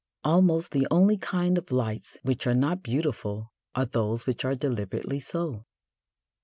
Almost the only kind of lights which are not beautiful are those which are deliberately so.